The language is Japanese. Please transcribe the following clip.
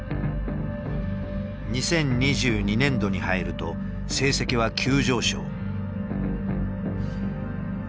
２０２２年度に入ると成績は急上昇。